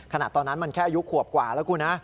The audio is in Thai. ขนาดตอนนั้นมันแค่อายุขวบกว่าแล้วคุณนะ